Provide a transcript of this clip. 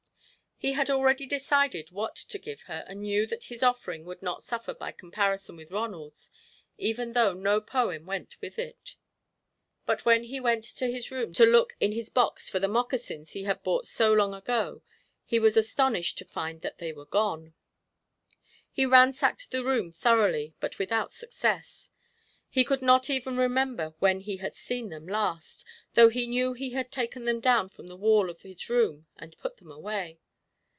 He had already decided what to give her, and knew that his offering would not suffer by comparison with Ronald's, even though no poem went with it; but when he went to his room to look in his box for the moccasins he had bought so long ago, he was astonished to find that they were gone. He ransacked the room thoroughly, but without success. He could not even remember when he had seen them last, though he knew he had taken them down from the wall of his room and put them away.